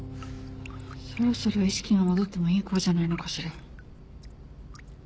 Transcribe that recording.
そろそろ意識が戻ってもいい頃じゃないのかしら？